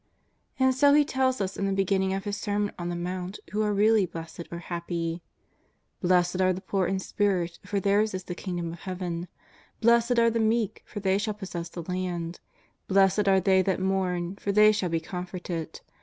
And so He tells us in the beginning of His Sermon on the Mount who are really blessed or happy. ^' Blessed are the poor in spirit, for theirs is the kingdom of Heaven. " Blessed are the meek, for they shall possess the land. " Blessed are they that mourn, for they shall be com forted.